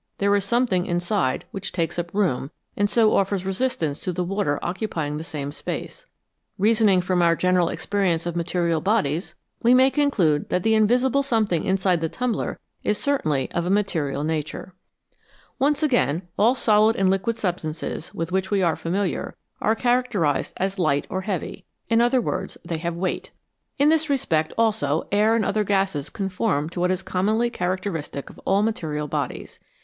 There is something inside which takes up room and so offers resistance to the water occupying the same space. Reasoning from our general experience of material bodies, we may conclude that the invisible something inside the tumbler is certainly of a material nature. 40 INVISIBLE SUBSTANCES Once again all solid and liquid substances with which we are familiar are characterised as light or heavy in other words, they have weight. In this respect also air and other gases conform to what is commonly character istic of all material bodies.